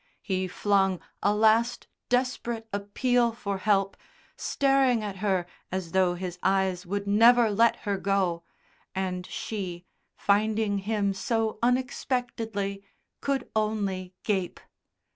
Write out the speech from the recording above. He flung a last desperate appeal for help, staring at her as though his eyes would never let her go, and she, finding him so unexpectedly, could only gape.